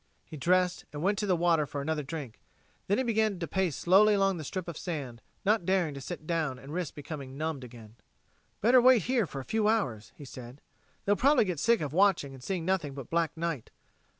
He dressed and went to the water for another drink; then he began to pace slowly along the strip of sand, not daring to sit down and risk becoming numbed again. "Better wait here for a few hours," he said. "They'll probably get sick of watching and seeing nothing but black night.